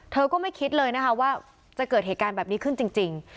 ก็ไม่คิดเลยนะคะว่าจะเกิดเหตุการณ์แบบนี้ขึ้นจริง